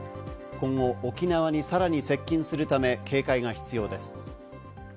今後、沖縄にさらに接近するため、警戒が必要です。